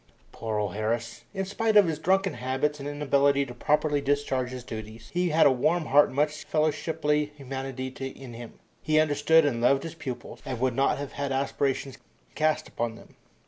Poor old Harris! In spite of his drunken habits and inability to properly discharge his duties, he had a warm heart and much fellowshiply humanity in him. He understood and loved his pupils, and would not have aspersions cast upon them.